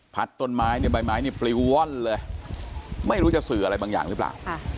ต้นไม้เนี่ยใบไม้นี่ปลิวว่อนเลยไม่รู้จะสื่ออะไรบางอย่างหรือเปล่า